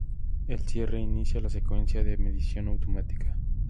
El cierre inicia la secuencia de medición automática.